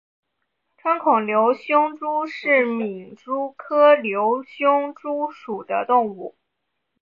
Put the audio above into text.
穿孔瘤胸蛛为皿蛛科瘤胸蛛属的动物。